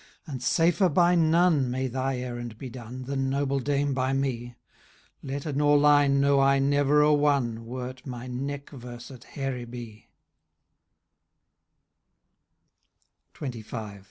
nd safer by none may thy errand be done. Than, noble dame, by me ; Letter nor line know I never a one, Weret my neck verse at Hairibee XXV.